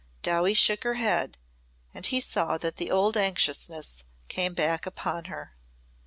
Dowie shook her head and he saw that the old anxiousness came back upon her.